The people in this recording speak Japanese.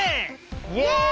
イエイ！